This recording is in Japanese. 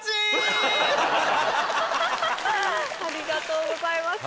ありがとうございます。